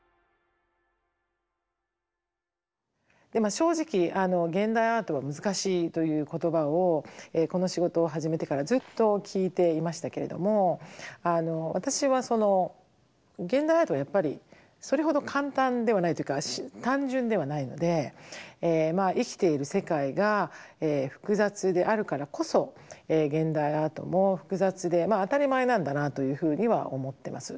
正直「現代アートは難しい」という言葉をこの仕事を始めてからずっと聞いていましたけれども私は現代アートはやっぱりそれほど簡単ではないというか単純ではないので生きている世界が複雑であるからこそ現代アートも複雑でまあ当たり前なんだなというふうには思ってます。